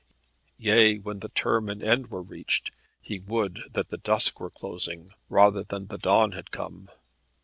Yea, when the term and end were reached, he would that the dusk were closing, rather than the dawn had come.